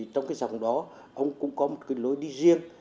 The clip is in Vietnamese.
trong dòng đó ông cũng có một lối đi riêng